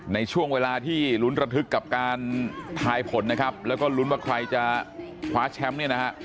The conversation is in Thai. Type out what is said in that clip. ในช่วงเวลาที่ลุ้นระทึกกับการทายผลนะครับแล้วก็ลุ้นว่าใครจะคว้าแชมป์เนี่ยนะฮะ